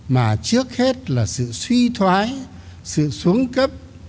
mà trước hết là sự suy thoái sự xuống cấp